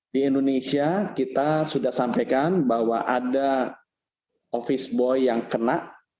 di indonesia kita sudah sampaikan bahwa ada office boy yang kena